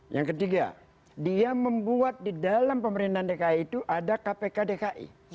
yang ketiga dia membuat di dalam pemerintahan dki itu ada kpk dki